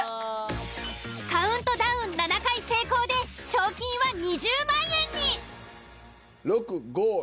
カウントダウン７回成功で賞金は２０万円に。